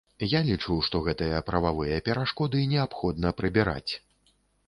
Я лічу, што гэтыя прававыя перашкоды неабходна прыбіраць.